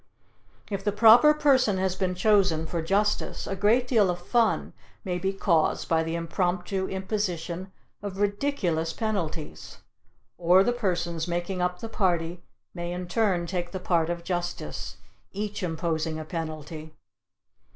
If the proper person has been chosen for Justice a great deal of fun may be caused by the impromptu imposition of ridiculous penalties. Or the persons making up the party may in turn take the part of Justice, each imposing a penalty.